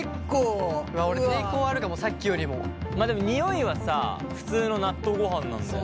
俺抵抗あるかもさっきよりも。まあでも匂いはさ普通の納豆ごはんなんだよ。